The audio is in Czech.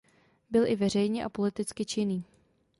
Byl i veřejně a politicky činný.